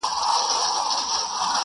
زه ګومان کوم دا اړخ به یې وي